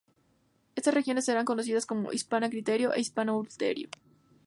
Estas regiones serán conocidas como Hispania Citerior e Hispania Ulterior.